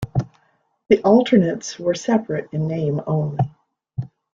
The Alternates were separate in name only.